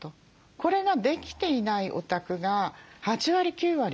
これができていないお宅が８割９割です。